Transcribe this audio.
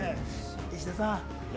石田さん。